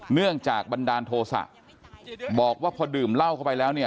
เนื่องจากบันดาลโทษะบอกว่าพอดื่มเหล้าเข้าไปแล้วเนี่ย